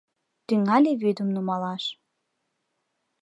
Тӱҥале вӱдым нумалаш.